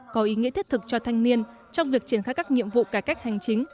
có ý nghĩa thiết thực cho thanh niên trong việc triển khai các nhiệm vụ cải cách hành chính